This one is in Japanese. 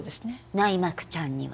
内膜ちゃんには。